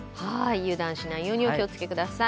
油断しないようにお気をつけください。